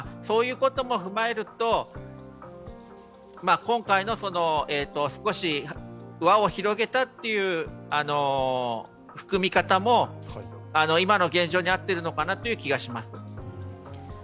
そういうことも踏まえると、今回の輪を広げたという含み方も今の現状に合っているのかなという気がします。